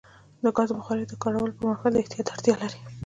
د ګازو بخاري د کارولو پر مهال د احتیاط اړتیا لري.